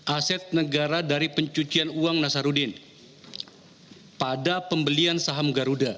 aset negara dari pencucian uang nasarudin pada pembelian saham garuda